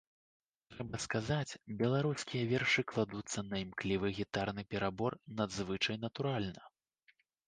Трэба сказаць, беларускія вершы кладуцца на імклівы гітарны перабор надзвычай натуральна.